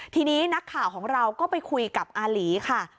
ทีนี้นักข่าวของเราก็ไปคุยกับอาหลีค่ะ